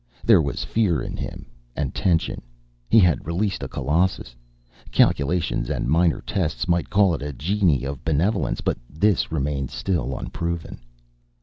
There was fear in him, and tension. He had released a colossus. Calculations and minor tests might call it a genie of benevolence. But this remained still unproven.